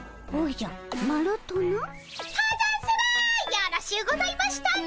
よろしゅうございましたね！